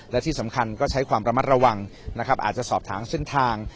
และที่สำคัญก็ใช้ความประมัติระวังอาจจะสอบทางเส้นทาง